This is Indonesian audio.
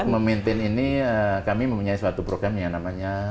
untuk memaintain ini kami mempunyai suatu program yang namanya continuing airworthiness